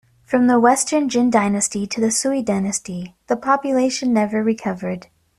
From the Western Jin dynasty to the Sui dynasty, the population never recovered.